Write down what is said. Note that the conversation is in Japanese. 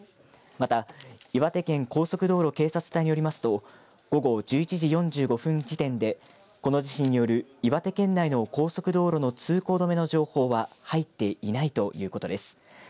また、岩手県高速道路警察隊によりますと午後１１時４５分時点でこの地震による岩手県内の高速道路の通行止めの情報は入っていないということです。